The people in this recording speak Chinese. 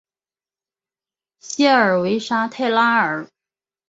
谢尔韦沙泰拉尔。